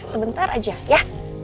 sebentar aja ya